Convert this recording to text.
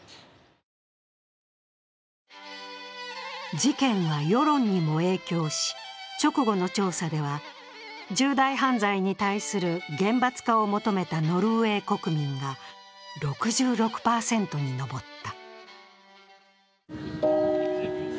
事件は世論にも影響し、直後の調査では、重大犯罪に対する厳罰化を求めたノルウェー国民が６６％に上った。